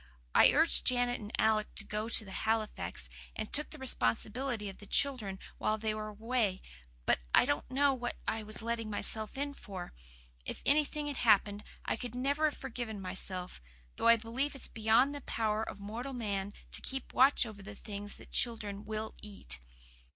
I urged Janet and Alec to go to Halifax, and took the responsibility of the children while they were away, but I didn't know what I was letting myself in for. If anything had happened I could never have forgiven myself though I believe it's beyond the power of mortal man to keep watch over the things children WILL eat.